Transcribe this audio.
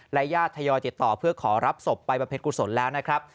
ญาติทยอยติดต่อเพื่อขอรับศพไปบำเพ็ญกุศลแล้วนะครับ